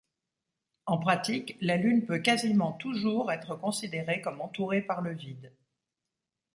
En pratique, la Lune peut quasiment toujours être considérée comme entourée par le vide.